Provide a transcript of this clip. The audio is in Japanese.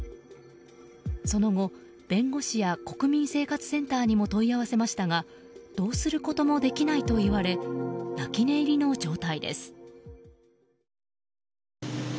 その後、弁護士や国民生活センターにも問い合わせましたがどうすることもできないと言われ泣き寝入りの状態です。